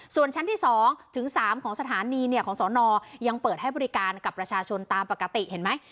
ส่วนชั้นที่๒ถึง๓ของสถานีของสนยังเปิดให้บริการกับประชาชนตามปกติเห็นไหม